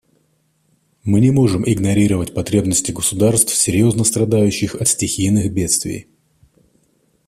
Мы не можем игнорировать потребности государств, серьезно страдающих от стихийных бедствий.